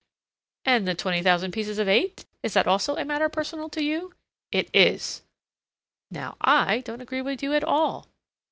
"And the twenty thousand pieces of eight? Is that also a matter personal to you?" "It is." "Now I don't agree with you at all."